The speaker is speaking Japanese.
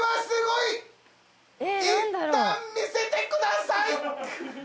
いったん見せてください！